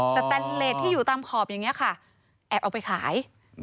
แตนเลสที่อยู่ตามขอบอย่างนี้ค่ะแอบเอาไปขาย